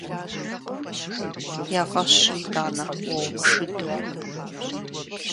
Я фӀэщ щӀы итӀанэ уэ умышыду…